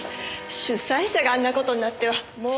主催者があんな事になってはもう。